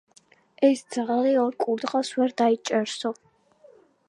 ერთი ძაღლი ორ კურდღელს ვერ დაიჭერსო